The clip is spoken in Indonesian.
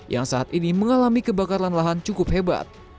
yang saat ini mengalami kebakaran lahan cukup hebat